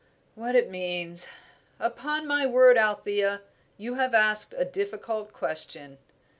"What it means. Upon my word, Althea, you have asked a difficult question.